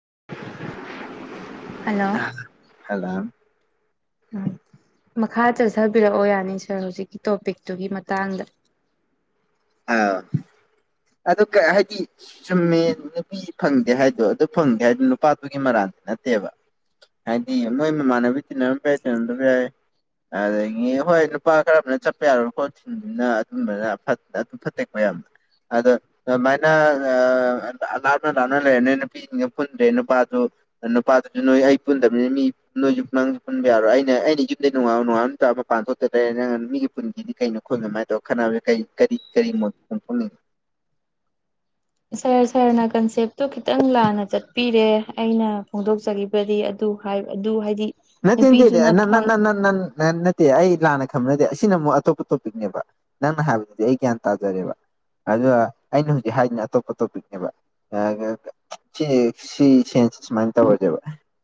[unintelligible] hello hello ꯎꯝ ꯃꯈꯥ ꯆꯠꯊꯕꯤꯔꯛꯑꯣ ꯌꯥꯅꯤ ꯁꯥꯔ ꯍꯧꯖꯤꯛꯀꯤ ꯇꯣꯄꯤꯛꯇꯨꯒꯤ ꯃꯇꯥꯡꯗ ꯑ ꯑꯗꯨ ꯍꯥꯏꯗꯤ ꯆꯨꯝꯃꯦ ꯅꯨꯄꯤ ꯐꯪꯗꯦ ꯍꯥꯏꯗꯣ ꯑꯗꯨ ꯐꯪꯗꯦ ꯍꯥꯏꯗ ꯅꯨꯄꯥꯗꯨꯒꯤ ꯃꯔꯥꯟꯗꯤ ꯅꯠꯇꯦꯕ ꯍꯥꯏꯗꯤ ꯃꯣꯏ ꯃꯃꯥꯟꯅꯕꯤ ꯇꯤꯟꯅꯔꯝꯕ ꯌꯥꯏ ꯇꯤꯟꯅꯝꯗꯕ ꯌꯥꯏ ꯑꯗꯒꯤ ꯍꯣꯏ ꯅꯨꯄꯥ ꯈꯔꯝꯅ ꯆꯠꯄ ꯌꯥꯔꯣꯏ ꯈꯣꯠ ꯁꯤꯟꯗꯨꯅ ꯑꯗꯨꯝꯕꯅ ꯐ ꯑꯗꯨꯝ ꯐꯠꯇꯦꯛꯀꯣ ꯌꯥꯝꯕ ꯑꯗꯣ ꯑꯗꯨꯃꯥꯏꯅ ꯂꯥꯞꯅ ꯂꯥꯞꯅ ꯂꯩꯔꯅꯤ ꯅꯨꯄꯤꯁꯤꯡꯒ ꯄꯨꯟꯗ꯭ꯔꯦ ꯅꯨꯄꯥꯗꯨ ꯅꯨꯄꯥꯗꯨꯁꯨ ꯅꯣꯏ ꯑꯩ ꯄꯨꯟꯗꯕꯅꯤꯅ ꯃꯤ ꯅꯣꯏꯁꯨ ꯅꯪꯁꯨ ꯄꯨꯟꯕ ꯌꯥꯎꯔꯣꯏ ꯑꯩꯅ ꯑꯩꯅ ꯌꯨꯝꯗꯗꯒꯤ ꯅꯣꯡꯉꯜꯨ ꯅꯣꯡꯉꯥꯜ ꯅꯨ ꯃꯄꯥꯟ ꯊꯣꯛꯇꯗ꯭ꯔꯦ ꯅꯪ ꯃꯤꯒꯤ ꯄꯨꯟꯒꯤꯗꯤ ꯀꯩꯅꯣ ꯈꯣꯠ ꯑꯗꯨꯃꯥꯏꯅ ꯇꯧꯔ ꯈꯠꯅꯕꯁꯦ ꯀꯩ ꯀꯔꯤ ꯀꯔꯤ ꯃꯣꯠ ꯐꯣꯡꯗꯣꯛꯅꯤꯡꯏ ꯁꯥꯔ ꯁꯥꯔꯅ ꯀꯟꯁꯦꯞꯇꯣ ꯈꯤꯠꯇꯪ ꯂꯥꯟꯅ ꯆꯠꯄꯤꯔꯦ ꯑꯩꯅ ꯐꯣꯡꯗꯣꯛꯆꯈꯤꯕꯗꯤ ꯑꯗꯨ ꯍꯥꯏ ꯑꯗꯨ ꯍꯥꯏꯗꯤ ꯅꯠꯇꯦ ꯅꯠꯇꯦ ꯅꯨꯄꯤꯗꯨꯅ ꯅ ꯅ ꯐꯪ ꯅ ꯅ ꯅ ꯅ ꯇꯦ ꯑꯩ ꯂꯥꯟꯅ ꯈꯝꯅꯗꯦ ꯑꯁꯤꯅ ꯑꯃꯨꯛ ꯑꯇꯣꯞꯄ ꯇꯣꯄꯤꯛꯅꯦꯕ ꯅꯪꯅ ꯍꯥꯏꯕꯗꯨꯗꯤ ꯑꯩ ꯒ꯭ꯌꯥꯟ ꯇꯥꯖꯔꯦꯕ ꯑꯗꯨꯒ ꯑꯩꯅ ꯍꯧꯖꯤꯛ ꯍꯥꯏꯗꯅ ꯑꯇꯣꯞꯄ ꯇꯣꯄꯤꯛꯅꯦꯕ ꯁꯤ ꯁꯤ ꯁꯦꯟꯁ ꯁꯨꯃꯥꯏꯅ ꯇꯧꯔꯁꯦꯕ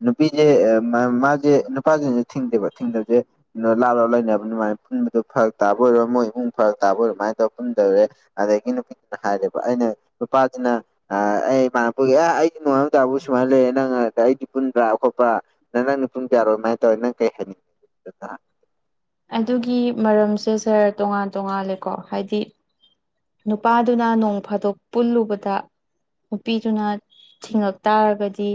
ꯅꯨꯄꯤꯁꯦ ꯃꯥ ꯁꯦ ꯅꯨꯄꯥꯁꯤꯡꯁꯨ ꯊꯤꯡꯗꯦꯕ ꯊꯤꯡꯗꯕꯁꯦ ꯂꯥꯞ ꯂꯥꯎꯞ ꯂꯩꯅꯕ ꯑꯗꯨꯃꯥꯏꯅ ꯄꯨꯟꯕꯗꯨ ꯐꯔꯛ ꯇꯥꯕ ꯑꯣꯏꯔꯣ ꯃꯣꯏ ꯏꯃꯨꯡ ꯐꯔꯛ ꯇꯥꯕ ꯑꯣꯏꯔꯣ ꯑꯗꯨꯃꯥꯏꯅ ꯇꯧꯔ ꯄꯨꯟꯗꯧꯔꯦ ꯑꯗꯒꯤ ꯅꯨꯄꯤꯗꯨꯅ ꯍꯥꯏꯔꯦꯕ ꯑꯩꯅ ꯅꯨꯄꯥꯁꯤꯅ ꯑꯩ ꯏ ꯄꯨꯒ ꯑꯦ ꯑꯩꯗꯤ ꯅꯣꯉꯥꯟꯕꯗꯩ ꯅꯨꯃꯤꯠ ꯇꯥꯕꯨ ꯁꯨꯃꯥꯏꯅ ꯂꯩꯌꯦ ꯅꯪ ꯑꯩꯗꯤ ꯄꯨꯟꯕ꯭ꯔꯥ ꯈꯣꯠꯄ꯭ꯔꯥ ꯅꯪ ꯄꯨꯡ ꯀꯥꯌꯥꯔꯣꯏ ꯃꯥꯏ ꯇꯧꯔꯣ ꯅꯪ ꯀꯩ ꯍꯥꯏꯅꯤꯡꯉꯤ ꯑꯗꯨꯒꯤ ꯃꯔꯝꯁꯦ ꯁꯥꯔ ꯇꯣꯉꯥꯟ ꯇꯣꯉꯥꯜꯂꯦꯀꯣ ꯍꯥꯏꯗꯤ ꯅꯨꯄꯥꯗꯨꯅ ꯅꯣꯡ ꯐꯥꯗꯣꯛ ꯄꯨꯜꯂꯨꯕꯗ ꯅꯨꯄꯤꯗꯨꯅ ꯊꯤꯡꯉꯛ ꯇꯥꯔꯒꯗꯤ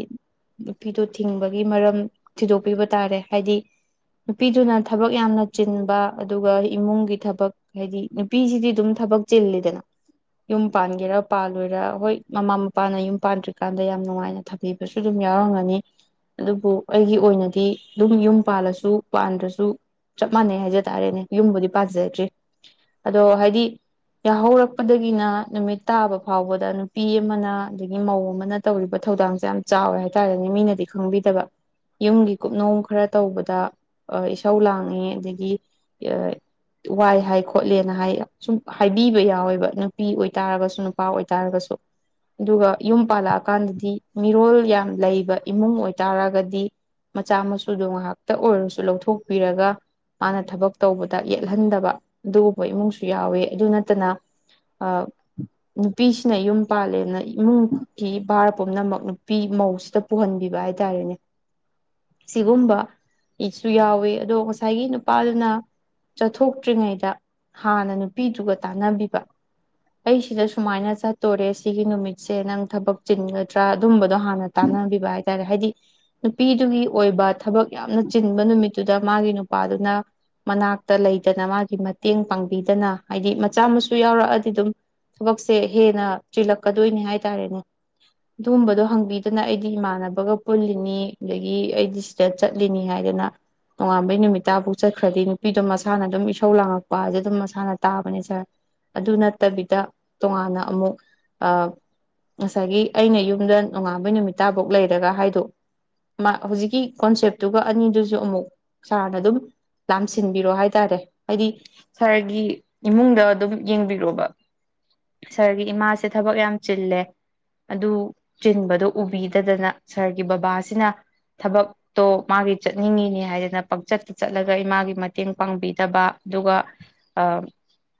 ꯅꯨꯄꯤꯗꯨ ꯊꯤꯡꯕꯒꯤ ꯃꯔꯝ ꯊꯤꯗꯣꯛꯄꯤꯕ ꯇꯥꯔꯦ ꯍꯥꯏꯗꯤ ꯅꯨꯄꯤꯗꯨꯅ ꯊꯕꯛ ꯌꯥꯝꯅ ꯆꯤꯟꯕ ꯑꯗꯨꯒ ꯏꯃꯨꯡꯒꯤ ꯊꯕꯛ ꯍꯥꯏꯗꯤ ꯅꯨꯄꯤꯁꯤꯗꯤ ꯑꯗꯨꯝ ꯊꯕꯛ ꯆꯤꯜꯂꯤꯗꯅ ꯌꯨꯝ ꯄꯥꯟꯒꯦꯔ ꯄꯥꯜꯂꯣꯏꯔ ꯍꯣꯏ ꯃꯃꯥ ꯃꯄꯥꯅ ꯌꯨꯝ ꯄꯥꯟꯗ꯭ꯔꯤꯀꯥꯟꯗ ꯌꯥꯝ ꯅꯨꯡꯉꯥꯏꯅ ꯊꯝꯕꯤꯕꯁꯨ ꯑꯗꯨꯝ ꯌꯥꯎꯔꯝꯒꯅꯤ ꯑꯗꯨꯕꯨ ꯑꯩꯒꯤ ꯑꯣꯏꯅꯗꯤ ꯑꯗꯨꯝ ꯌꯨꯝ ꯄꯥꯜꯂꯁꯨ ꯄꯥꯟꯗ꯭ꯔꯁꯨ ꯆꯞ ꯃꯥꯟꯅꯩ ꯍꯥꯏꯖ ꯇꯥꯔꯦꯅꯦ ꯌꯨꯝꯕꯨꯗꯤ ꯄꯥꯟꯖꯗ꯭ꯔꯤ ꯑꯗꯣ ꯍꯥꯏꯗꯤ ꯌꯥꯍꯧꯔꯛꯄꯗꯒꯤꯅ ꯅꯨꯃꯤꯠ ꯇꯥꯕ ꯐꯥꯎꯕꯗ ꯅꯨꯄꯤ ꯑꯃꯅ ꯑꯗꯒꯤ ꯃꯧ ꯑꯃꯅ ꯇꯧꯔꯤꯕ ꯊꯧꯗꯥꯡꯖꯦ ꯌꯥꯝ ꯆꯥꯎꯋꯦ ꯍꯥꯏꯇꯥꯔꯦꯅꯦ ꯃꯤꯅꯗꯤ ꯈꯪꯕꯤꯗꯕ ꯌꯨꯝꯒꯤ ꯀꯨꯞꯅꯣꯝ ꯈꯔ ꯇꯧꯕꯗ ꯏꯁꯧ ꯂꯥꯡꯉꯦ ꯑꯗꯒꯤ ꯋꯥꯏ ꯍꯥꯏ ꯈꯣꯠꯂꯦꯅ ꯍꯥꯏ ꯁꯨꯝ ꯍꯥꯏꯕꯤꯕ ꯌꯥꯎꯋꯦꯕ ꯅꯨꯄꯤ ꯑꯣꯏꯇꯥꯔꯒꯁꯨ ꯅꯨꯄꯥ ꯑꯣꯏꯇꯥꯔꯒꯁꯨ ꯑꯗꯨꯒ ꯌꯨꯝ ꯄꯥꯜꯂꯛꯑꯀꯥꯟꯗꯗꯤ ꯃꯤꯔꯣꯜ ꯌꯥꯝ ꯂꯩꯕ ꯏꯃꯨꯡ ꯑꯣꯏꯇꯥꯔꯒꯗꯤ ꯃꯆꯥ ꯃꯁꯨꯗꯣ ꯉꯥꯍꯥꯛꯇ ꯑꯣꯏꯔꯁꯨ ꯂꯧꯊꯣꯛꯄꯤꯔꯒ ꯃꯥꯅ ꯊꯕꯛ ꯇꯧꯕꯗ ꯌꯦꯠꯍꯟꯗꯕ ꯑꯗꯨꯒꯨꯝꯕ ꯏꯃꯨꯡꯁꯨ ꯌꯥꯎꯋꯦ ꯑꯗꯨ ꯅꯠꯇꯅ ꯑ ꯅꯨꯄꯤꯁꯤꯅ ꯌꯨꯝ ꯄꯥꯜꯂꯦꯅ ꯏꯃꯨꯡꯒꯤ ꯚꯥꯔ ꯄꯨꯝꯅꯃꯛ ꯅꯨꯄꯤ ꯃꯧꯁꯤꯗ ꯄꯨꯍꯟꯕꯤꯕ ꯍꯥꯏꯇꯥꯔꯦꯅꯦ ꯁꯤꯒꯨꯝꯕ ꯏꯁꯨ ꯌꯥꯎꯋꯤ ꯑꯗꯣ ꯉꯁꯥꯏꯒꯤ ꯅꯨꯄꯥꯗꯨꯅ ꯆꯠꯊꯣꯛꯇ꯭ꯔꯤꯉꯩꯗ ꯍꯥꯟꯅ ꯅꯨ ꯄꯤꯗꯨꯒ ꯇꯥꯟꯅꯕꯤꯕ ꯑꯩ ꯁꯤꯗ ꯁꯨꯃꯥꯏꯅ ꯆꯠꯇꯣꯔꯦ ꯁꯤꯒꯤ ꯅꯨꯃꯤꯠꯁꯦ ꯅꯪ ꯊꯕꯛ ꯆꯤꯟꯒꯗ꯭ꯔꯥ ꯑꯗꯨꯝꯕꯗ ꯗꯣ ꯍꯥꯟꯅ ꯇꯥꯟꯅꯕꯤꯕꯥ ꯍꯥꯏ ꯌꯥꯔꯦ ꯍꯥꯏꯗꯤ ꯅꯨꯄꯤꯗꯨꯒꯤ ꯑꯣꯏꯕ ꯊꯕꯛ ꯌꯥꯝꯅ ꯆꯤꯟꯕ ꯅꯨꯃꯤꯠꯇꯨꯗ ꯃꯥꯒꯤ ꯅꯨꯄꯥꯗꯨꯅ ꯃꯅꯥꯛꯇ ꯂꯩꯇꯅ ꯃꯥꯒꯤ ꯃꯇꯦꯡ ꯄꯥꯡꯕꯤꯗꯅ ꯍꯥꯏꯗꯤ ꯃꯆꯥ ꯃꯁꯨ ꯌꯥꯎꯔꯛꯑꯗꯤ ꯑꯗꯨꯝ ꯊꯕꯛꯁꯦ ꯍꯦꯟꯅ ꯆꯤꯜꯂꯛꯀꯗꯣꯏꯅꯦ ꯍꯥꯏꯇꯥꯔꯦꯅꯦ ꯑꯗꯨꯒꯨꯝꯕꯗꯣ ꯍꯪꯕꯤꯗꯅ ꯑꯩꯗꯤ ꯏꯃꯥꯟꯅꯕꯒ ꯄꯨꯜꯂꯤꯅꯤ ꯑꯗꯒꯤ ꯑꯩꯗꯤ ꯁꯤꯗ ꯆꯠꯂꯤꯅꯤ ꯍꯥꯏꯗꯅ ꯅꯣꯉꯥꯟꯕꯩ ꯅꯨꯃꯤꯠꯇꯐꯥꯎ ꯆꯠꯈ꯭ꯔꯗꯤ ꯅꯨꯄꯤꯗꯣ ꯃꯁꯥꯅ ꯑꯗꯨꯝ ꯏꯁꯧ ꯂꯥꯡꯉꯛꯄ ꯍꯥꯏꯁꯦ ꯑꯗꯨꯝ ꯃꯁꯥꯅ ꯇꯥꯕꯅꯦ ꯁꯥꯔ ꯑꯗꯨ ꯅꯠꯇꯕꯤꯗ ꯇꯣꯉꯥꯟꯅ ꯑꯃꯨꯛ ꯑ ꯉꯁꯥꯏꯒꯤ ꯑꯩꯅ ꯌꯨꯝꯗ ꯅꯣꯡꯉꯥꯟꯕꯩ ꯅꯨꯃꯤꯠ ꯇꯥꯐꯧ ꯂꯩꯔꯒ ꯍꯥꯏꯗꯣ ꯃꯥ ꯍꯧꯖꯤꯛꯀꯤ ꯀꯣꯟꯁꯦꯞꯇꯨꯒ ꯑꯅꯤꯗꯨꯖꯨ ꯑꯃꯨꯛ ꯁꯥꯔꯅ ꯑꯗꯨꯝ ꯂꯥꯝꯁꯤꯟꯕꯤꯔꯣ ꯍꯥꯏꯇꯥꯔꯦ ꯍꯥꯏꯗꯤ ꯁꯥꯔꯒꯤ ꯏꯃꯨꯡꯗ ꯑꯗꯨꯝ ꯌꯦꯡꯕꯤꯔꯣꯕ ꯁꯥꯔꯒꯤ ꯏꯃꯥꯁꯦ ꯊꯕꯛ ꯌꯥꯝ ꯆꯤꯜꯂꯦ ꯑꯗꯨ ꯆꯤꯟꯕꯗꯣ ꯎꯕꯤꯗꯗꯅ ꯁꯥꯔꯒꯤ ꯕꯕꯥꯁꯤꯅ ꯊꯕꯛꯇꯣ ꯃꯥꯒꯤ ꯆꯠꯅꯤꯡꯉꯤꯅꯦ ꯍꯥꯏꯗꯅ ꯄꯪꯆꯠꯇ ꯆꯠꯂꯒ ꯏꯃꯥꯒꯤ ꯃꯇꯦꯡ ꯄꯥꯡꯕꯤꯗꯕ ꯑꯗꯨꯒ ꯑ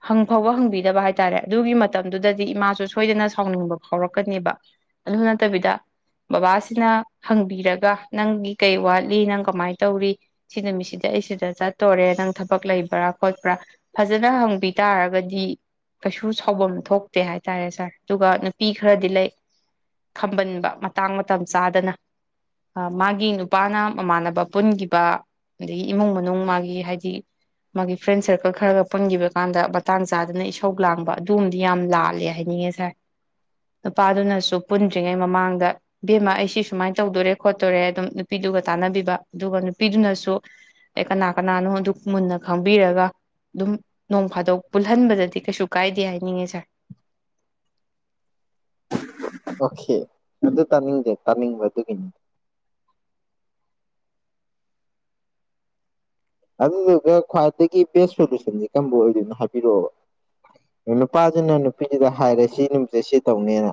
ꯍꯪ ꯐꯥꯎꯕ ꯍꯪꯕꯤꯗꯕ ꯍꯥꯏ ꯇꯔꯦ ꯑꯗꯨꯒꯤ ꯃꯇꯝꯗꯨꯗꯗꯤ ꯏꯃꯥꯁꯨ ꯁꯣꯏꯗꯅ ꯁꯥꯎꯅꯤꯡꯕ ꯐꯥꯎꯔꯛꯀꯅꯦꯕ ꯑꯗꯨ ꯅꯠꯇꯕꯤꯗ ꯕꯕꯥꯁꯤꯅ ꯍꯪꯕꯤꯔꯒ ꯅꯪꯒꯤ ꯀꯩ ꯋꯥꯠꯂꯤ ꯅꯪ ꯀꯃꯥꯏ ꯇꯧꯔꯤ ꯁꯤ ꯅꯨꯃꯤꯠꯁꯤꯗ ꯑꯩ ꯁꯤꯗ ꯆꯠꯇꯣꯔꯦ ꯅꯪ ꯊꯕꯛ ꯂꯩꯕ꯭ꯔꯥ ꯈꯣꯠꯄ꯭ꯔꯥ ꯐꯖꯅ ꯍꯪ ꯄꯤ ꯇꯥꯔꯒꯗꯤ ꯀꯩꯁꯨ ꯁꯥꯎꯐꯝ ꯊꯣꯛꯇꯦ ꯍꯥꯏꯇꯥꯔꯦ ꯁꯥꯔ ꯑꯗꯨꯒ ꯅꯨꯄꯤ ꯈꯔꯗꯤ ꯂꯩ ꯈꯝꯕꯟꯕ ꯃꯇꯥꯡ ꯃꯇꯝ ꯆꯥꯗꯅ ꯃꯥꯒꯤ ꯅꯨꯄꯥꯅ ꯃꯃꯥꯟꯅꯕ ꯄꯨꯟꯒꯤꯕ ꯑꯗꯒꯤ ꯏꯃꯨꯡ ꯃꯅꯨꯡ ꯃꯥꯒꯤ ꯍꯥꯏꯗꯤ ꯃꯥꯒꯤ ꯐ꯭ꯔꯦꯟ ꯁꯔꯀꯜ ꯈꯔꯒ ꯄꯨꯟꯈꯤꯕ ꯀꯥꯟꯗ ꯃꯇꯥꯡ ꯆꯥꯗꯅ ꯏꯁꯧ ꯂꯥꯡꯕ ꯑꯗꯨꯝꯗꯤ ꯌꯥꯝ ꯂꯥꯜꯂꯦ ꯍꯥꯏꯅꯤꯡꯉꯦ ꯁꯥꯔ ꯅꯨꯄꯥꯗꯨꯅꯁꯨ ꯄꯨꯟꯗ꯭ꯔꯤꯉꯩ ꯃꯃꯥꯡꯗ ꯕꯦꯝꯃ ꯑꯩ ꯁꯤ ꯁꯨꯃꯥꯏ ꯇꯧꯗꯣꯔꯦ ꯈꯣꯠꯇꯣꯔꯦ ꯑꯗꯨꯝ ꯅꯨꯄꯤꯗꯨꯒ ꯇꯥꯟꯅꯕꯤꯕ ꯑꯗꯨꯒ ꯅꯨꯄꯤꯗꯨꯅꯁꯨ ꯑꯩ ꯀꯅꯥ ꯀꯅꯥꯅꯣ ꯑꯗꯨ ꯃꯨꯟꯅ ꯈꯪꯕꯤꯔꯒ ꯑꯗꯨꯝ ꯅꯣꯡ ꯐꯥꯗꯣꯛ ꯄꯨꯜꯍꯜꯕꯗꯗꯤ ꯀꯩꯁꯨ ꯀꯥꯏꯗꯦ ꯍꯥꯏꯅꯤꯡꯉꯤ ꯁꯥꯔ ꯑꯣꯀꯦ ꯑꯗꯨ ꯇꯥꯅꯤꯡꯗꯦ ꯇꯥꯅꯤꯡꯕ ꯑꯗꯨꯒꯤꯅꯤ ꯑꯗꯨꯗꯨꯒ ꯈ꯭ꯋꯥꯏꯗꯒꯤ ꯕꯦꯁ ꯁꯣꯂꯨꯁꯟꯁꯦ ꯀꯝꯕ ꯑꯣꯏꯗꯣꯏꯅꯣ ꯍꯥꯏꯕꯤꯔꯛꯑꯣꯕ ꯅꯨꯄꯥꯁꯤꯅ ꯅꯨꯄꯤꯁꯤꯗ ꯍꯥꯏꯔꯦ ꯁꯤ ꯅꯨꯃꯤꯠꯁꯦ ꯁꯤ ꯇꯧꯅꯦꯅ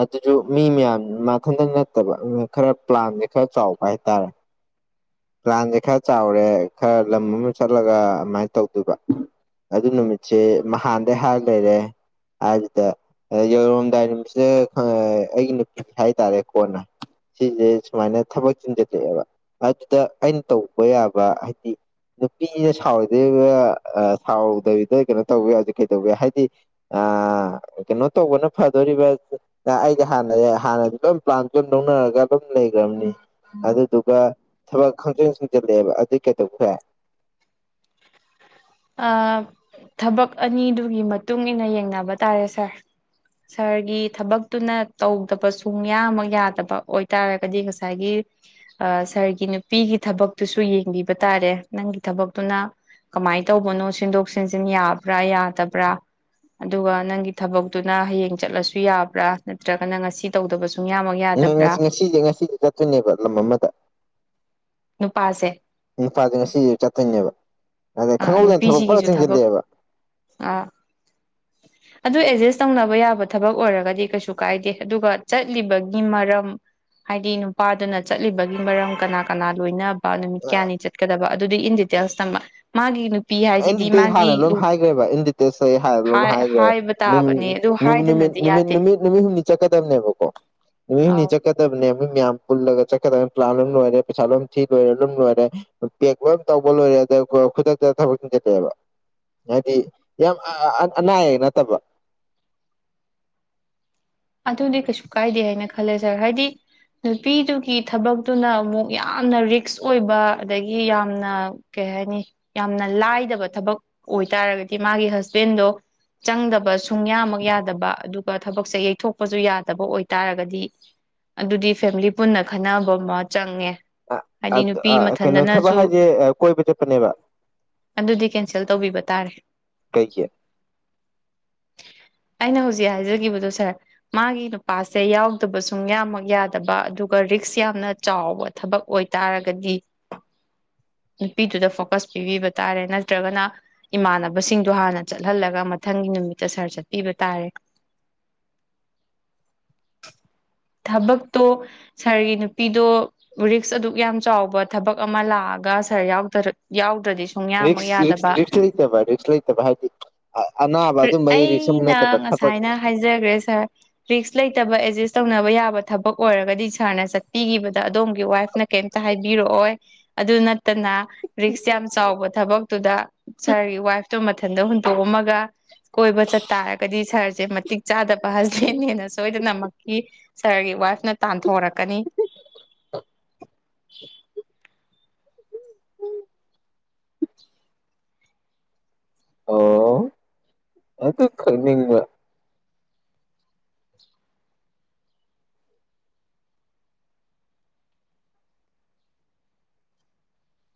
ꯑꯗꯨꯁꯨ ꯃꯤ ꯃꯌꯥꯝ ꯃꯊꯟꯇ ꯅꯠꯇꯕ ꯈꯔ ꯄ꯭ꯂꯥꯟꯁꯦ ꯈꯔ ꯆꯥꯎꯕ ꯍꯥꯏꯇꯥꯔꯦ ꯄ꯭ꯂꯥꯟꯁꯦ ꯈꯔ ꯆꯥꯎꯔꯦ ꯈꯔ ꯂꯝ ꯑꯃ ꯆꯠꯂꯒ ꯑꯗꯨꯃꯥꯏꯅ ꯇꯧꯗꯣꯏꯕ ꯑꯗꯨ ꯅꯨꯃꯤꯠꯁꯦ ꯅꯥꯟꯗꯩ ꯍꯥꯏꯔ ꯂꯩꯔꯦ ꯍꯥꯏꯁꯤꯗ ꯌꯧꯔꯝꯗꯥꯏ ꯅꯨꯃꯤꯠꯁꯤꯗ ꯈꯪ ꯑꯩꯒꯤ ꯅꯨꯄꯤ ꯍꯥꯏꯇꯥꯔꯦ ꯀꯣꯟꯅ ꯁꯤꯁꯦ ꯁꯨꯃꯥꯏꯅ ꯊꯕꯛ ꯆꯤꯟꯁꯤꯜꯂꯛꯑꯦꯕ ꯗ ꯑꯩꯅ ꯇꯧꯕ ꯌꯥꯕ ꯍꯥꯏꯗꯤ ꯅꯨꯄꯤꯅ ꯁꯥꯎꯔꯣꯏꯗꯩꯕ ꯁꯥꯎꯗꯕꯤꯗ ꯀꯩꯅꯣ ꯇꯧꯕ ꯌꯥꯕ ꯀꯩꯗꯧꯒꯦ ꯍꯥꯏꯗꯤ ꯑ ꯀꯩꯅꯣ ꯇꯧꯕꯅ ꯐꯗꯣꯔꯤꯕ ꯑꯩꯗꯤ ꯍꯥꯟꯅ ꯍꯥꯟꯅ ꯂꯣꯏ ꯄ꯭ꯂꯥꯟꯖꯨꯝ ꯂꯧꯅꯔꯒ ꯑꯗꯨꯝ ꯂꯧꯅꯔꯒ ꯑꯗꯨꯝ ꯂꯩꯒꯔꯝꯅꯤ ꯑꯗꯨꯗꯨꯒ ꯊꯕꯛ ꯈꯪꯆꯤꯟ ꯆꯤꯟꯖꯤꯜꯂꯛꯑꯦꯕ ꯑꯗꯨꯗꯤ ꯀꯩꯗꯧꯕ ꯌꯥꯏ ꯑ ꯊꯕꯛ ꯑꯅꯤꯗꯨꯒꯤ ꯃꯇꯨꯡꯏꯟꯅ ꯌꯦꯡꯅꯕ ꯇꯥꯔꯦ ꯁꯥꯔ ꯁꯥꯔꯒꯤ ꯊꯕꯛꯇꯨꯅ ꯇꯧꯗꯕ ꯁꯨꯡꯌꯥꯃꯛ ꯌꯥꯗꯕ ꯑꯣꯏꯇꯥꯔꯒꯗꯤ ꯉꯁꯥꯏꯒꯤ ꯑ ꯁꯥꯔꯒꯤ ꯅꯨꯄꯤꯒꯤ ꯊꯕꯛꯇꯨꯁꯨ ꯌꯦꯡꯕꯤꯕ ꯇꯥꯔꯦ ꯅꯪꯒꯤ ꯊꯕꯛꯇꯨꯅ ꯀꯃꯥꯏ ꯇꯧꯕꯅꯣ ꯁꯤꯟꯗꯣꯛ ꯁꯤꯟꯖꯤꯟ ꯌꯥꯕ꯭ꯔꯥ ꯌꯥꯗꯕ꯭ꯔꯥ ꯑꯗꯨꯒ ꯅꯪꯒꯤ ꯊꯕꯛꯇꯨꯅ ꯍꯌꯦꯡ ꯆꯠꯂꯁꯨ ꯌꯥꯕ꯭ꯔꯥ ꯅꯠꯇ꯭ꯔꯒꯅ ꯉꯁꯤ ꯇꯧꯗꯕꯁꯨ ꯉ ꯉꯁꯤꯁꯦ ꯉꯁꯤꯁꯦ ꯆꯠꯇꯣꯏꯅꯦꯕ ꯂꯝ ꯑꯃꯗ ꯅꯨꯄꯥꯁꯦ ꯅꯨꯄꯥꯖꯦ ꯉꯁꯤꯖꯦ ꯆꯠꯇꯣꯏꯅꯦꯕ ꯑꯗꯩ ꯈꯪꯍꯧꯗꯅ ꯊꯕꯛ ꯐꯠꯂꯥꯎ ꯅꯨꯄꯤꯁꯤꯒꯤꯁꯨ ꯊꯕꯛ ꯆꯪꯖꯤꯜꯂꯛꯑꯦꯕ ꯑꯗꯨ ꯑꯦꯗꯖꯁ ꯇꯧꯅꯕ ꯌꯥꯕ ꯊꯕꯛ ꯑꯣꯏꯔꯒꯗꯤ ꯀꯩꯁꯨ ꯀꯥꯏꯗꯦ ꯑꯗꯨꯒ ꯆꯠꯂꯤꯕꯒꯤ ꯃꯔꯝ ꯍꯥꯏꯗꯤ ꯅꯨꯄꯥꯗꯨꯅ ꯆꯠꯂꯤꯕꯒꯤ ꯃꯔꯝ ꯀꯅꯥ ꯀꯅꯥ ꯂꯣꯏꯅ ꯅꯨꯃꯤꯠ ꯀꯌꯥꯅꯤ ꯆꯠꯀꯗꯕ ꯑꯗꯨꯗꯤ ꯏꯟ ꯗꯤꯇꯦꯜꯁ ꯇꯝꯕ ꯃꯥꯒꯤ ꯅꯨ ꯑꯦꯟꯗꯤꯇꯦꯁ ꯍꯥꯟꯅ ꯂꯣꯏ ꯍꯥꯏꯈ꯭ꯔꯦꯕ ꯏꯟꯗꯤꯇꯦꯁ ꯍꯥꯏ ꯂꯣꯏ ꯍꯥꯏꯈ꯭ꯔꯦꯕ ꯍꯥꯏꯕ ꯇꯥꯕꯅꯦ ꯑꯗꯨ ꯅꯨꯃꯤꯠ ꯅꯨꯃꯤꯠ ꯍꯥꯏꯗꯅꯗꯤ ꯅꯨꯃꯤꯠ ꯌꯥꯗꯦ ꯅꯨꯃꯤꯠ ꯍꯨꯝꯅꯤ ꯆꯠꯀꯗꯝꯕꯅꯦꯕꯀꯣ ꯅꯨꯃꯤꯠ ꯍꯨꯝꯅꯤ ꯑ ꯆꯠꯀꯗꯕꯅꯦꯕ ꯃꯌꯥꯝ ꯄꯨꯜꯂꯒ ꯆꯠꯀꯗꯕꯅꯤ ꯄꯥꯜꯟ ꯂꯣꯏꯝ ꯂꯣꯏꯔꯦ ꯄꯩꯁꯥ ꯂꯣꯏꯝ ꯊꯤ ꯂꯣꯏꯔꯦ ꯂꯨꯝ ꯂꯣꯏꯔꯦ ꯄꯦꯛ ꯂꯣꯏꯟ ꯇꯧꯕ ꯂꯣꯏꯔꯦ ꯑꯗ ꯈꯨꯗꯛꯇ ꯊꯕꯛ ꯆꯤꯟꯖꯜꯂꯛꯑꯦꯕ ꯍꯥꯏꯗꯤ ꯌꯥꯝ ꯑꯅꯥ ꯑꯌꯦꯛ ꯅꯠꯇꯕ ꯑꯗꯨꯗꯤ ꯀꯩꯁꯨ ꯀꯥꯏꯗꯦ ꯍꯥꯏꯅ ꯈꯜꯂꯦ ꯁꯥꯔ ꯍꯥꯏꯗꯤ ꯅꯨꯄꯤꯗꯨꯒꯤ ꯊꯕꯛꯇꯨꯅ ꯑꯃꯨꯛ ꯌꯥꯝꯅ ꯔꯤꯛꯁ ꯑꯣꯏꯕ ꯑꯗꯒꯤ ꯌꯥꯝꯅ ꯀꯩ ꯍꯥꯏꯅꯤ ꯌꯥꯝꯅ ꯂꯥꯏꯗꯕ ꯊꯕꯛ ꯑꯣꯏꯇꯥꯥꯔꯒꯗꯤ ꯃꯥꯒꯤ ꯍꯁꯕꯦꯟꯗꯣ ꯆꯪꯗꯕ ꯁꯨꯡꯌꯥꯃꯛ ꯌꯥꯗꯕ ꯑꯗꯨꯒ ꯊꯕꯛꯁꯦ ꯌꯩꯊꯣꯛ ꯊꯣꯛꯄꯁꯨ ꯌꯥꯗꯕ ꯑꯣꯏꯇꯥꯔꯒꯗꯤ ꯑꯗꯨꯗꯤ ꯐꯦꯃꯤꯂꯤ ꯄꯨꯟꯅ ꯈꯟꯅꯕ ꯑꯃ ꯆꯪꯉꯦ ꯍꯥꯏꯗꯤ ꯅꯨꯄꯤ ꯑ ꯀꯩꯅꯣ ꯊꯕꯛ ꯃꯊꯟꯗꯅꯁꯨ ꯍꯥꯏꯁꯦ ꯀꯣꯏꯕ ꯆꯠꯄꯅꯦꯕ ꯑꯗꯨꯗꯤ ꯀꯦꯟꯁꯦꯜ ꯇꯧꯕꯤꯕ ꯇꯥꯔꯦ ꯀꯩꯒꯤ ꯑꯩꯅ ꯍꯧꯖꯤꯛ ꯍꯥꯏꯖꯒꯤꯕꯗꯣ ꯁꯥꯔ ꯃꯥꯒꯤ ꯅꯨꯄꯥꯁꯦ ꯌꯥꯎꯗꯕ ꯁꯨꯡ ꯌꯥꯝꯃꯛ ꯌꯥꯗꯕ ꯑꯗꯨꯒ ꯔꯤꯛꯁ ꯌꯥꯝꯅ ꯆꯥꯎꯕ ꯊꯕꯛ ꯑꯣꯏꯇꯥꯔꯒꯗꯤ ꯅꯨꯄꯤꯗꯨꯗ ꯐꯣꯀꯁ ꯄꯤꯕꯤꯕ ꯇꯥꯔꯦ ꯅꯠꯇ꯭ꯔꯒꯅ ꯏꯃꯥꯟꯅꯕꯁꯤꯡꯗꯣ ꯍꯥꯟꯅ ꯆꯠꯍꯜꯂꯒ ꯃꯊꯪꯒꯤ ꯅꯨꯃꯤꯠꯇ ꯁꯥꯔ ꯆꯠꯄꯤꯕ ꯇꯥꯔꯦ ꯊꯕꯛꯇꯣ ꯁꯥꯔꯒꯤ ꯅꯨꯄꯤꯗꯣ ꯔꯤꯛꯁ ꯑꯗꯨꯛ ꯌꯥꯝ ꯆꯥꯎꯕ ꯊꯕꯛ ꯑꯃ ꯂꯥꯛꯑꯒ ꯁꯥꯔ ꯌꯥꯎꯗꯔ ꯌꯥꯎ ꯔꯤꯛꯁ ꯔꯤꯛꯁ ꯂꯩꯇꯕ ꯔꯤꯛꯁ ꯂꯩꯇꯕ ꯍꯥꯏꯗꯤ ꯑꯅꯥꯕ ꯑꯗꯨꯝꯕꯒꯤ ꯔꯤꯛꯁ ꯑꯃ ꯅꯠꯇꯕ ꯑꯩꯅ ꯊꯕꯛ ꯉꯁꯥꯏꯅ ꯍꯥꯏꯖꯈ꯭ꯔꯦ ꯁꯥꯔ ꯔꯤꯛꯁ ꯂꯩꯇꯕ ꯑꯦꯗꯖꯁ ꯇꯧꯅꯕ ꯌꯥꯕ ꯊꯕꯛ ꯑꯣꯏꯔꯒꯗꯤ ꯁꯥꯔꯅ ꯆꯠꯄꯤꯈꯤꯕꯗ ꯑꯗꯣꯝꯒꯤ ꯋꯥꯏꯐꯅ ꯁꯥꯔꯒꯤ ꯋꯥꯏꯐ ꯇꯨ ꯃꯊꯟꯇ ꯍꯨꯟꯇꯣꯛꯑꯝꯃꯒ ꯀꯣꯏꯕ ꯆꯠꯇꯥꯔꯒꯗꯤ ꯁꯥꯔꯁꯦ ꯃꯇꯤꯛ ꯆꯥꯗꯕ ꯍꯁ ꯏꯍꯦꯟ ꯍꯦꯟꯅ ꯁꯣꯏꯗꯅꯃꯛꯀꯤ ꯁꯥꯔꯒꯤ ꯋꯥꯏꯐꯅ ꯇꯟꯊꯣꯔꯛꯀꯅꯤ ꯑꯣ ꯑꯗꯨ ꯈꯪꯅꯤꯡꯕ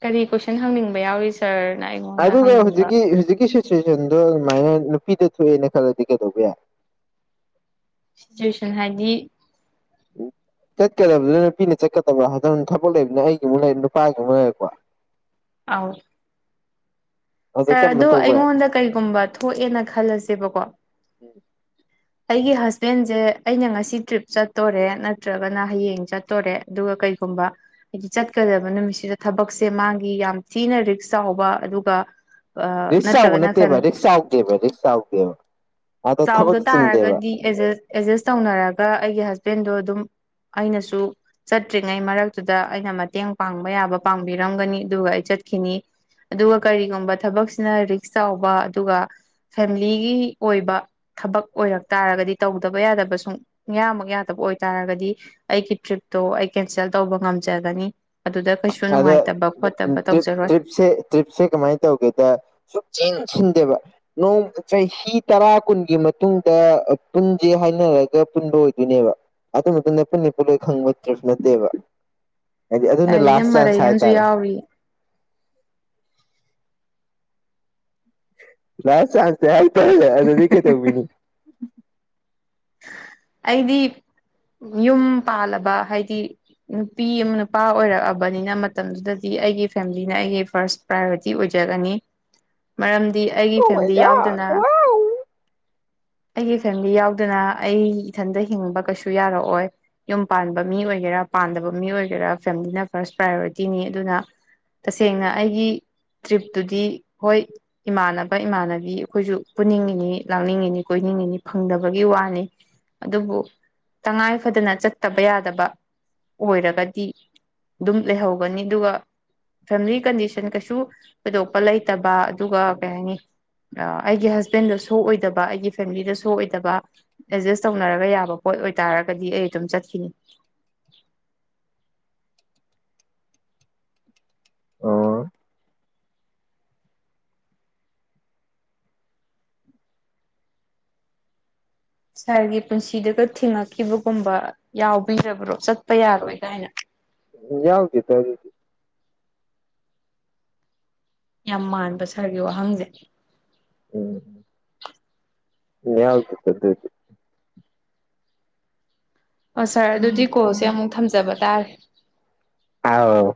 ꯀꯔꯤ ꯀꯣꯏꯁꯟ ꯍꯪꯅꯤꯡꯕ ꯌꯥꯎꯔꯤ ꯁꯥꯔ ꯑꯗꯨꯒ ꯍꯧꯖꯤꯛꯀꯤ ꯍꯧꯖꯤꯛꯀꯤ ꯁꯤꯆꯨꯋꯦꯁꯟꯗꯣ ꯑꯗꯨꯃꯥꯏꯅ ꯅꯨꯄꯤꯗ ꯊꯣꯛꯑꯦꯅ ꯈꯜꯂꯗꯤ ꯀꯩꯗꯧꯕ ꯌꯥꯏ ꯁꯤꯆꯨꯋꯦꯁꯟ ꯍꯥꯏꯗꯤ ꯎ ꯆꯠꯀꯗꯕꯗꯨꯅ ꯅꯨꯄꯤꯅ ꯆꯠꯀꯗꯕ꯭ꯔꯥ [unintelligible] ꯊꯕꯛ ꯂꯩꯕꯅꯦ ꯑꯩꯒꯤ ꯑꯃꯨꯛ ꯂꯩꯔꯦ ꯅꯨꯄꯥꯒꯤ ꯑꯃꯨꯛ ꯂꯩꯔꯛꯄ ꯑꯥꯎ ꯑꯗꯨ ꯁꯥꯔ ꯑꯗꯣ ꯀꯔꯝꯕꯅ ꯇꯧꯕ ꯌꯥꯏ ꯑꯩꯉꯣꯟꯗ ꯀꯔꯤꯒꯨꯝꯕ ꯊꯣꯛꯑꯦꯅ ꯈꯜꯂꯁꯦꯕꯀꯣ ꯑꯩꯒꯤ ꯍꯁꯕꯦꯟꯁꯦ ꯑꯩꯅ ꯉꯁꯤ ꯇ꯭ꯔꯤꯞ ꯆꯠꯇꯣꯔꯦ ꯅꯠꯇ꯭ꯔꯒꯅ ꯍꯌꯦꯡ ꯆꯠꯇꯣꯔꯦ ꯑꯗꯨꯒ ꯀꯩꯒꯨꯝꯕ ꯍꯥꯏꯗꯤ ꯆꯠꯀꯗꯕ ꯅꯨꯃꯤꯠꯁꯤꯗ ꯊꯕꯛꯁꯦ ꯃꯥꯒꯤ ꯌꯥꯝ ꯊꯤꯅ ꯔꯤꯛꯁ ꯆꯥꯎꯕ ꯑꯗꯨꯒ ꯑꯥ ꯔꯤꯛꯁ ꯆꯥꯎꯕ ꯅꯠꯇ꯭ꯔꯒꯅ ꯅꯠꯇꯦꯕ ꯐꯦꯃꯤꯂꯤ ꯔꯤꯛꯁ ꯆꯥꯎꯗꯦꯕ ꯔꯤꯛꯁ ꯆꯥꯎꯗꯦꯕ ꯑꯗ ꯆꯥꯎꯗ ꯊꯕꯛꯇꯤ ꯆꯤꯟꯗꯦꯕ ꯇꯥꯔꯒꯗꯤ ꯑꯦꯖꯁ ꯑꯦꯖꯁ ꯇꯧꯅꯔꯒ ꯑꯩꯒꯤ ꯍꯁ ꯄꯦꯟꯗꯣ ꯑꯗꯨꯝ ꯑꯩꯅꯁꯨ ꯆꯠꯇ꯭ꯔꯤꯉꯩ ꯃꯔꯛꯇꯨꯗ ꯑꯩꯅ ꯃꯇꯦꯡ ꯄꯥꯡꯕ ꯌꯥꯕ ꯄꯥꯡꯕꯤꯔꯝꯒꯅꯤ ꯑꯗꯨꯒ ꯑꯩ ꯆꯠꯈꯤꯅꯤ ꯑꯗꯨꯒ ꯀꯔꯤꯒꯨꯝꯕ ꯊꯕꯛꯁꯤꯅ ꯔꯤꯛꯁ ꯆꯥꯎꯕ ꯑꯗꯨꯒ ꯐꯦꯃꯤꯂꯤꯒꯤ ꯑꯣꯏꯕ ꯊꯕꯛ ꯑꯣꯏꯔꯛ ꯇꯥꯔꯒꯗꯤ ꯇꯧꯗꯕ ꯌꯥꯗꯕ ꯁꯨꯡ ꯌꯥꯃꯛ ꯌꯥꯗꯕ ꯑꯣꯏꯇꯥꯔꯒꯗꯤ ꯑꯩꯒꯤ ꯇ꯭ꯔꯤꯞꯇꯣ ꯑꯩ ꯀꯦꯟꯁꯦꯜ ꯇꯧꯕ ꯉꯝꯖꯒꯅꯤ ꯑꯗꯨꯗ ꯀꯩꯁꯨ ꯑꯗ ꯅꯨꯡꯉꯥꯏꯇꯕ ꯈꯣꯠꯇꯕ ꯇ꯭ꯔꯤꯞ ꯇꯧꯖꯔꯣꯏ ꯇ꯭ꯔꯤꯞꯁꯦ ꯇ꯭ꯔꯤꯞꯁꯦ ꯀꯃꯥꯏꯅ ꯇꯧꯒꯦꯗ ꯁꯨꯛ ꯁꯤꯟꯁꯤꯟꯗꯦꯕ ꯅꯣꯡ ꯆꯍꯤ ꯇꯔꯥ ꯀꯨꯟꯒꯤ ꯃꯇꯨꯡꯗ ꯄꯨꯟꯁꯦ ꯍꯥꯏꯅꯔꯒ ꯄꯨꯟꯕ ꯑꯣꯏꯗꯨꯏꯅꯦꯕ ꯑꯗꯨ ꯃꯇꯨꯡꯗ ꯄꯨꯟꯅꯤ ꯄꯨꯟꯂꯣꯏ ꯈꯪꯕ ꯇ꯭ꯔꯤꯞ ꯅꯠꯇꯦꯕ ꯍꯥꯏꯗꯤ ꯑꯗꯨꯅ ꯂꯥꯁ ꯆꯥꯟꯁ ꯀꯩ ꯑꯝꯖꯤ ꯍꯥꯏꯇꯥꯔꯦ ꯌꯥꯎꯔꯤꯌꯦ ꯂꯥꯁ ꯆꯥꯟꯁ ꯇꯥꯏ ꯇꯥꯏ ꯑꯗꯨꯗꯤ ꯀꯩꯇꯧꯕꯤꯅꯤ ꯑꯩꯗꯤ ꯌꯨꯝ ꯄꯥꯜꯂꯕ ꯍꯥꯏꯗꯤ ꯅꯨꯄꯤ ꯑꯃ ꯅꯨꯄꯥ ꯑꯣꯏꯔꯛꯑꯕꯅꯤꯅ ꯃꯇꯝꯗꯨꯗꯗꯤ ꯑꯩꯒꯤ ꯐꯦꯃꯤꯂꯤꯅ ꯑꯩꯒꯤ ꯐꯥꯔꯁ ꯄ꯭ꯔꯥꯏꯌꯣꯔꯤꯇꯤ ꯑꯣꯏꯖꯒꯅꯤ ꯃꯔꯝ [unintelligible] ꯑꯩꯒꯤ ꯐꯦꯃꯤꯂꯤ ꯌꯥꯎ ꯑꯗꯨꯅ ꯑꯩ ꯏꯊꯟꯇ ꯍꯤꯡꯕ ꯀꯩꯁꯨ ꯌꯥꯔꯛꯑꯣꯏ ꯌꯨꯝ ꯄꯥꯟꯕ ꯃꯤ ꯑꯣꯏꯒꯦꯔꯥ ꯄꯥꯟꯗꯕ ꯃꯤ ꯑꯣꯏꯒꯦꯔꯥ ꯐꯦꯃꯤꯂꯤꯅ ꯐꯥꯔꯁ ꯄ꯭ꯔꯥꯏꯌꯣꯔꯤꯇꯤꯅꯤ ꯑꯗꯨꯅ ꯇꯁꯦꯡꯅ ꯑꯩꯒꯤ ꯇ꯭ꯔꯤꯞꯇꯨꯗꯤ ꯍꯣꯏ ꯏꯃꯥꯟꯅꯕ ꯏꯃꯥꯟꯅꯕꯤ ꯑꯩꯈꯣꯏꯁꯨ ꯄꯨꯅꯤꯡꯉꯤꯅꯤ ꯂꯥꯡꯅꯤꯡꯉꯤꯅꯤ ꯀꯣꯏꯅꯤꯡꯉꯤꯅꯤ ꯐꯪꯗꯕ ꯕꯒꯤ ꯋꯥꯅꯤ ꯑꯗꯨꯕꯨ ꯇꯉꯥꯏ ꯐꯗꯅ ꯆꯠꯇꯕ ꯌꯥꯗꯕ ꯑꯣꯏꯔꯒꯗꯤ ꯑꯗꯨꯝ ꯂꯩꯍꯧꯒꯅꯤ ꯑꯗꯨꯒ ꯐꯦꯃꯤꯂꯤ ꯀꯟꯗꯤꯁꯟ ꯀꯩꯁꯨ ꯊꯣꯏꯗꯣꯛꯄ ꯂꯩꯇꯕ ꯑꯗꯨꯒ ꯀꯩ ꯍꯥꯏꯅꯤ ꯑꯩꯒꯤ ꯍꯁꯕꯦꯟꯗ ꯁꯣꯛ ꯑꯣꯏꯗꯕ ꯑꯩꯒꯤ ꯐꯦꯃꯤꯂꯤꯗ ꯁꯣꯛꯑꯣꯏ ꯇꯕ ꯑꯦꯗꯖꯁ ꯇꯧꯅꯔꯒ ꯌꯥꯕ ꯄꯣꯠ ꯑꯣꯏꯇꯥꯥꯔꯒꯗꯤ ꯑꯩ ꯑꯗꯨꯝ ꯆꯠꯈꯤꯅꯤ ꯑꯣ ꯁꯥꯔꯒꯤ ꯄꯨꯟꯁꯤꯗꯨꯒ ꯊꯤꯡꯉꯛ ꯈꯤꯕꯒꯨꯝꯕ ꯌꯥꯎꯕꯤꯔꯕꯣ ꯆꯠ ꯌꯥꯎꯗꯦꯗ ꯑꯗꯨꯗꯤ ꯌꯥꯝ ꯃꯥꯟꯕ ꯁꯥꯔꯒꯤ ꯋꯥꯍꯪꯁꯦ ꯎꯝ ꯌꯥꯎꯗꯦꯗ ꯑꯗꯨꯏꯗꯤ ꯑꯣ ꯁꯥꯔ ꯑꯗꯨꯗꯤ ꯀꯣꯜꯁꯦ ꯑꯃꯨꯛ ꯊꯝꯖꯕ ꯇꯥꯔꯦ [inaudible] ꯍꯥꯎ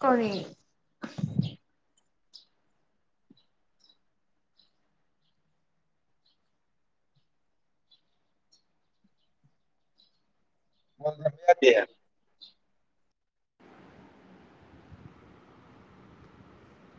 ꯀꯔꯤ [unintelligible]